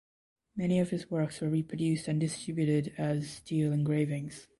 Many of his works were reproduced and distributed as steel engravings.